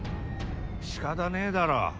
しかたねぇだろ。